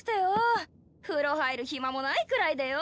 風呂入る暇もないくらいでよ。